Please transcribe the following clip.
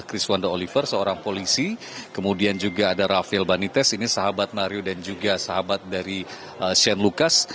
chris wanda oliver seorang polisi kemudian juga ada rafael banites ini sahabat mario dan juga sahabat dari shane lucas